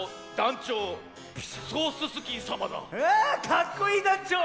かっこいいだんちょう。